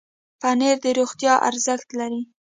پنېر د روغتیا ارزښت لري.